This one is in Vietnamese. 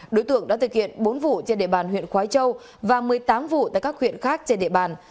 đối tượng đã thực hiện bốn vụ trên địa bàn huyện khói châu và một mươi tám vụ tại các huyện khác trên địa bàn